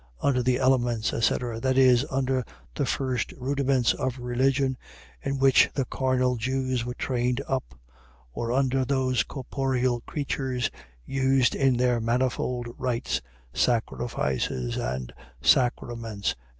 Under the elements, etc. . .That is, under the first rudiments of religion, in which the carnal Jews were trained up; or under those corporeal creatures, used in their manifold rites, sacrifices, and sacraments.